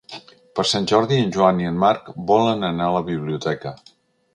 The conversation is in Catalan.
Per Sant Jordi en Joan i en Marc volen anar a la biblioteca.